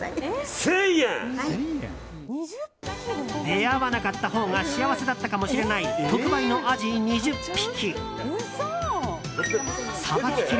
出会わなかったほうが幸せだったかもしれない特売のアジ２０匹。